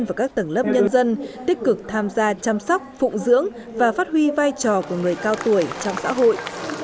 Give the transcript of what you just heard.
và các tầng lớp nhân dân tích cực tham gia chăm sóc phụng dưỡng và phát huy vai trò của người cao tuổi trong xã hội